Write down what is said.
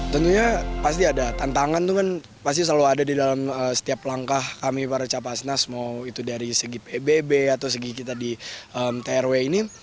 tentunya pasti ada tantangan itu kan pasti selalu ada di dalam setiap langkah kami para capasnas mau itu dari segi pbb atau segi kita di trw ini